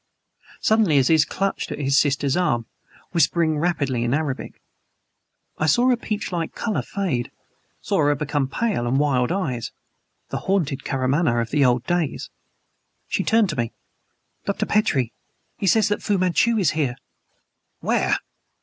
Suddenly Aziz clutched at his sister's arm, whispering rapidly in Arabic. I saw her peachlike color fade; saw her become pale and wild eyed the haunted Karamaneh of the old days. She turned to me. "Dr. Petrie he says that Fu Manchu is here!" "Where?"